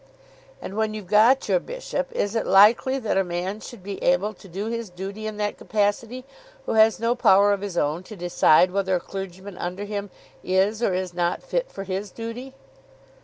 "And when you've got your bishop, is it likely that a man should be able to do his duty in that capacity who has no power of his own to decide whether a clergyman under him is or is not fit for his duty?"